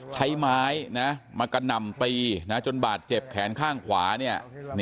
ใช้ไม้มากระหน่ำตีจนบาดเจ็บแขนข้างขวาเนี่ย